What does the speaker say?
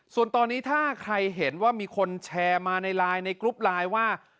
ส่วนตอนนี้ถ้าใครเห็นว่ามีคนแชร์มาในไลน์ในกรุ๊ปไลน์ว่า